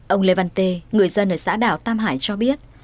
ông lê văn tê người dân ở xã đảo tam hải cho biết